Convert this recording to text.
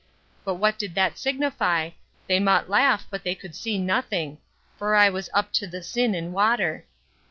But what did that signify; they mought laff but they could see nothing; for I was up to the sin in water.